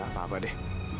gak apa apa deh